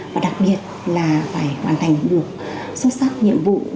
và đặc biệt là phải hoàn thành được xuất sắc nhiệm vụ